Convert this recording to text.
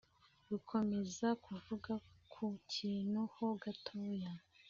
gukomoza: kuvuga ku kintu ho gatoya.